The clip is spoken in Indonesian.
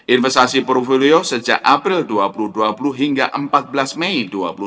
investasi portfolio sejak april dua ribu dua puluh hingga empat belas mei dua ribu dua puluh